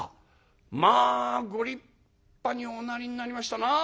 まあご立派におなりになりましたな」。